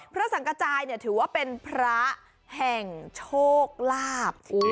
พระสังกระจายถือว่าเป็นพระแห่งโชคลาภ